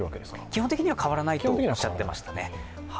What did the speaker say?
基本的には変わらないとおっしゃっていましたね。